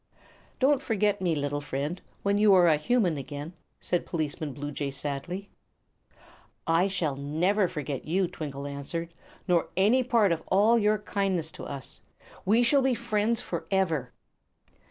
"Don't forget me, little friend, when you are a human again," said Policeman Bluejay, sadly. "I shall never forget you," Twinkle answered, "nor any part of all your kindness to us. We shall be friends forever."